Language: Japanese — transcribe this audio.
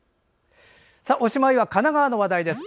おしまいは神奈川の話題です。